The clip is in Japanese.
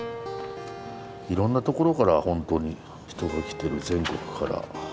いろんな所からホントに人が来てる全国から。